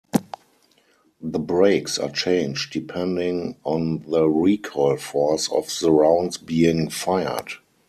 The brakes are changed depending on the recoil force of the rounds being fired.